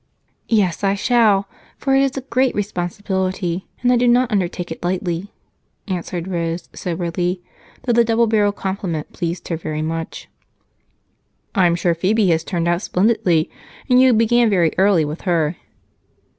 "Yes, I shall, for it is a great responsibility, and I do not undertake it lightly," answered Rose soberly, though the double barreled compliment pleased her very much. "I'm sure Phebe has turned out splendidly, and you began very early with her."